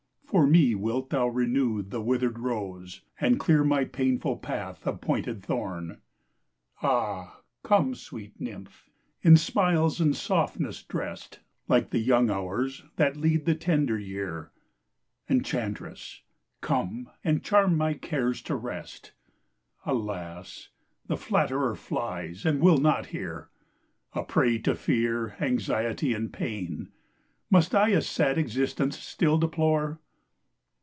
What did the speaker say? For me wilt thou renew the wither 'd rofe, And clear my painful path of pointed thorn ? Ah, come, fweet nymph ! in fmiles and foftnefs dreft, Like the young Hours that lead the tender Year ; Enchant refs 1 come, and charm my cares to reft :—— Alas ! the flatterer flies, and will not hear ! A prey to fear, anxiety, and* pain, Muft I a fad exiftence ftill deplore